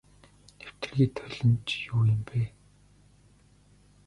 Нэвтэрхий толь нь ч юу юм бэ.